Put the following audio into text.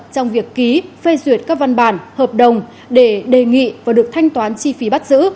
trong việc ký phê duyệt các văn bản hợp đồng để đề nghị và được thanh toán chi phí bắt giữ